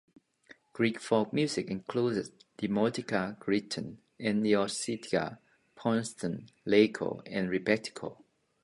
Greek folk music includes Demotika, Cretan and Nisiotika, Pontian, Laiko and Rebetiko.